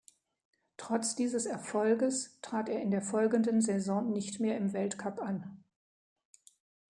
Trotz dieses Erfolges trat er in der folgenden Saison nicht mehr im Weltcup an.